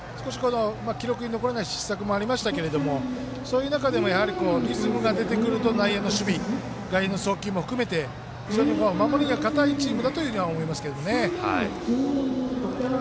記録に残らない失策もありましたがそういう中でも、やはりリズムが出てくると内野の守備、外野の送球も含めて非常に守りが堅いチームだというふうには思いますけどね。